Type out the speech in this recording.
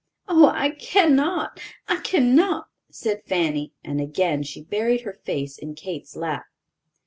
"Oh, I cannot, I cannot!" said Fanny, and again she buried her face in Kate's lap.